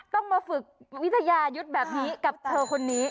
ต้องมาฝึกวิทยายุทธ์แบบนี้กับเธอคนนี้